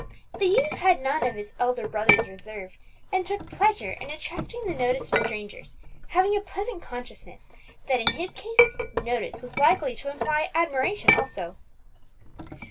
The youth had none of his elder brother's reserve, and took pleasure in attracting the notice of strangers, having a pleasant consciousness that in his case notice was likely to imply admiration also.